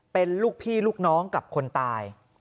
เป็นลูกพี่ลูกน้องกับคนตาย